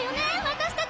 私たち。